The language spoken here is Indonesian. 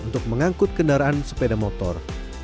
untuk mengangkut kendaraan sepeda motor